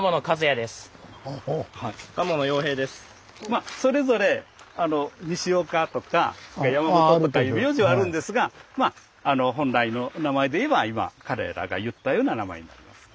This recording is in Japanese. まあそれぞれニシオカとかヤマモトとかいう名字はあるんですがまあ本来の名前でいえば今彼らが言ったような名前になります。